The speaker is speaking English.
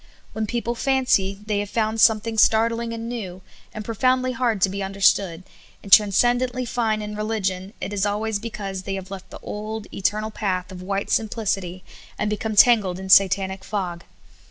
When people fancy they have found something start ling and new, and profoundly hard to be understood, and transcendently fine in religion, it is always because they have left the old, eternal path of white simplicity and become tangled in Satanic fog.